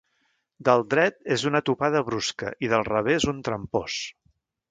Del dret és una topada brusca i del revés, un trampós.